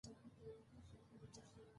هندوکش د افغانستان د اجتماعي جوړښت برخه ده.